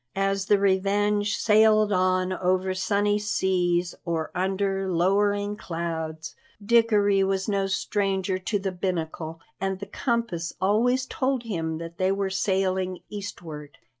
As the Revenge sailed on over sunny seas or under lowering clouds, Dickory was no stranger to the binnacle, and the compass always told him that they were sailing eastward.